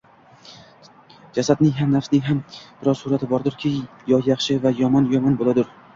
Jasadning ham, nafsning ham biror surati bordurki, yo yaxshi va yo yomon bo’ladur